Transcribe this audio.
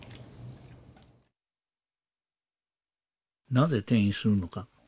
なぜ転移するのか。